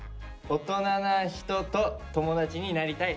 「大人な人と友達になりたい」？